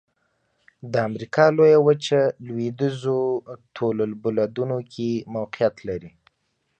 د امریکا لویه وچه لویدیځو طول البلدونو کې موقعیت لري.